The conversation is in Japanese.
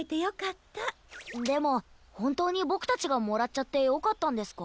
でもほんとうにボクたちがもらっちゃってよかったんですか？